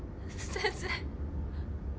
先生